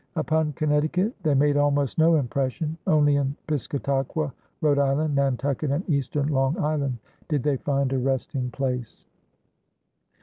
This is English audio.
Upon Connecticut they made almost no impression; only in Piscataqua, Rhode Island, Nantucket, and Eastern Long Island did they find a resting place.